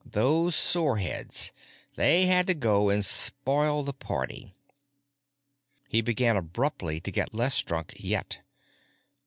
Those soreheads, they had to go and spoil the party.... He began abruptly to get less drunk yet.